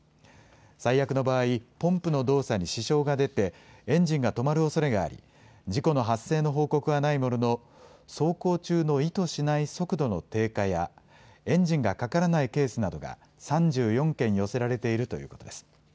最悪の場合ポンプの動作に支障が出てエンジンが止まるおそれがあり事故の発生の報告はないものの走行中の意図しない速度の低下やエンジンがかからないケースなどが３４件寄せられているということです。